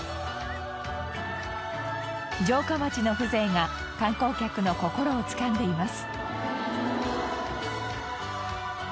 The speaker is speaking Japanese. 城下町の風情が観光客の心をつかんでいます。